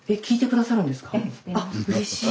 あうれしい。